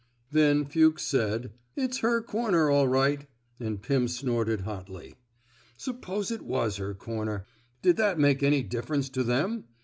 Then Fuchs said: It's her comer, all right;'' and Pim snorted hotly. Suppose it was her comer 1 Did that make any dif ference to them?